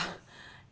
dalam arti saya